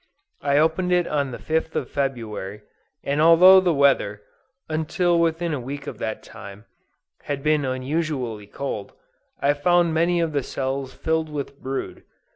I opened it on the 5th of February, and although the weather, until within a week of that time, had been unusually cold, I found many of the cells filled with brood.